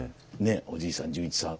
おじいさん潤一さん